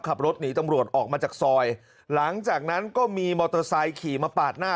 ขับรถหนีตำรวจออกมาจากซอยหลังจากนั้นก็มีมอเตอร์ไซค์ขี่มาปาดหน้า